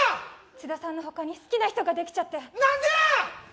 津田さんのほかに好きな人ができちゃって何でやー！